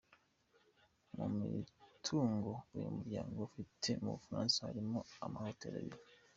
Mu mitungo uyu muryango ufite mu Bufaransa harimo ama hotel abiri.